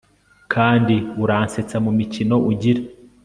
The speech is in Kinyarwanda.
kandi uransetsa mu mikino ugira